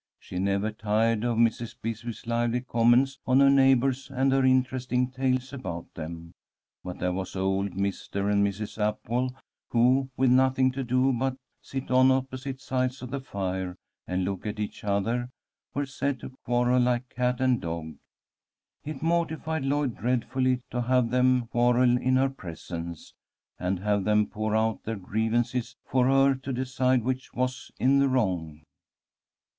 She never tired of Mrs. Bisbee's lively comments on her neighbours and her interesting tales about them. But there was old Mr. and Mrs. Apwall, who, with nothing to do but sit on opposite sides of the fire and look at each other, were said to quarrel like cat and dog. It mortified Lloyd dreadfully to have them quarrel in her presence, and have them pour out their grievances for her to decide which was in the wrong.